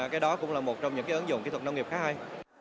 cái đó cũng là một trong những ứng dụng kỹ thuật nông nghiệp khá hay